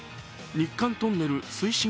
日韓トンネル推進